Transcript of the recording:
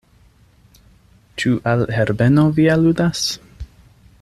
Ĉu al Herbeno vi aludas?